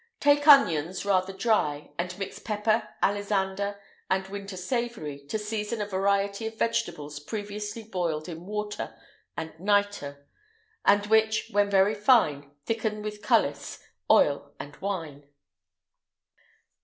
Take onions, rather dry, and mix pepper, alisander, and winter savory, to season a variety of vegetables previously boiled in water and nitre, the which, when very fine, thicken with cullis, oil, and wine.